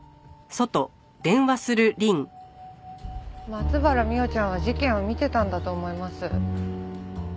松原未央ちゃんは事件を見てたんだと思います。